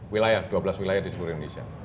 wilayah dua belas wilayah di seluruh indonesia